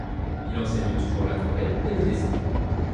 Il enseigne toujours l'aquarelle et le dessin.